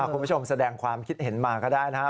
คุณผู้ชมแสดงความคิดเห็นมาก็ได้นะครับ